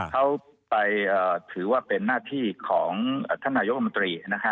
เขาไปถือว่าเป็นหน้าที่ของท่านนายกรรมนตรี